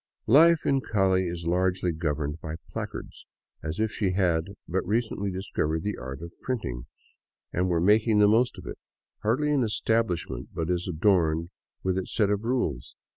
Life in Call is largely governed by placards, as if she had but re cently discovered the art of printing and were making the most of it. Hardly an establishment but is adorned with its set of rules.